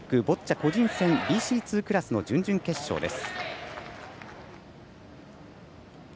個人戦ＢＣ２クラスの準々決勝です。